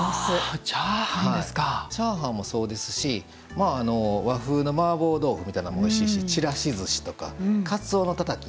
チャーハンもそうですし和風のマーボー豆腐みたいなんもおいしいし、ちらしずしとかかつおのたたき。